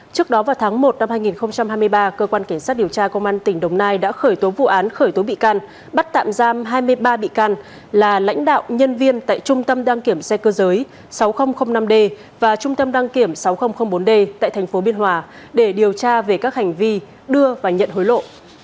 trước đó vào tháng một năm hai nghìn hai mươi ba cơ quan cảnh sát điều tra công an tỉnh đồng nai đã khởi tố vụ án khởi tố bị can bắt tạm giam hai mươi ba bị can là lãnh đạo nhân viên tại trung tâm đăng kiểm xe cơ giới sáu nghìn năm d và trung tâm đăng kiểm sáu nghìn bốn d tại thành phố biên hòa để điều tra về các hành vi đưa và nhận hối lộ